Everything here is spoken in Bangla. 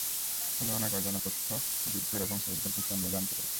ফলে অনেক অজানা তথ্য, যুদ্ধের এবং শহীদদের বিষয়ে, আমরা জানতে পারি।